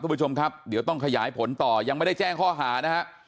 ผู้ชมครับเดี๋ยวต้องขยายผลต่อยังไม่ได้แจ้งข้อหานะฮะ